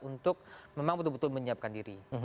untuk memang betul betul menyiapkan diri